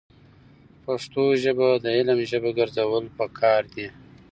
پښتو ژبه د علم ژبه ګرځول پکار دي.